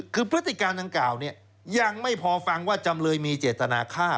คือพฤติการดังกล่าวยังไม่พอฟังว่าจำเลยมีเจตนาฆ่า